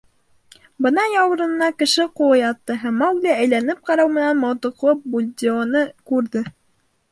Бына яурынына кеше ҡулы ятты, һәм Маугли әйләнеп ҡарау менән мылтыҡлы Бульдеоны күрҙе.